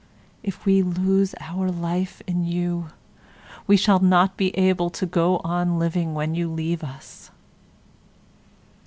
If we lose our life in you, we shall not be able to go on living when you leave us.